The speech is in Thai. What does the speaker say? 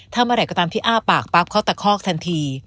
ถ้าเมื่อไหร่ก็ตามที่อ้าปากปั๊บเขาตะคอกทันที